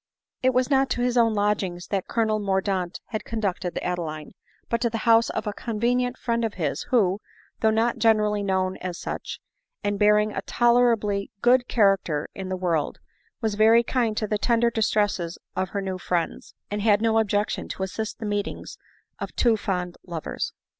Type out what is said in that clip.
It was not to his own lodgings that colonel Mordaunt had conducted Adeline, but to the house of a convenient friend of his, who, though not generally known as such, and bearing a tolerably good character in the world, was very kind to the tender distresses of her friends, and had no objection to assist the meetings of two fond lovers.